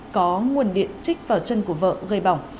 có nguồn điện trích vào chân của vợ gây bỏng